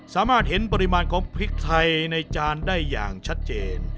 สามารถเห็นปริมาณของพริกไทยในจานได้อย่างชัดเจน